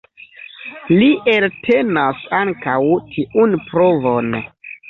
Li eltenas ankaŭ tiun provon.